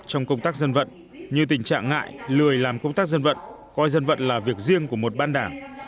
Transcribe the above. trong công tác dân vận như tình trạng ngại lười làm công tác dân vận coi dân vận là việc riêng của một ban đảng